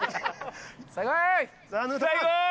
さあこい！